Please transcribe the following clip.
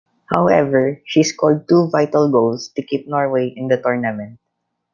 However, she scored two vital goals to keep Norway in the tournament.